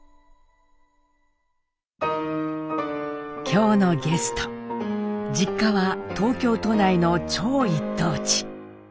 今日のゲスト実家は東京都内の超一等地。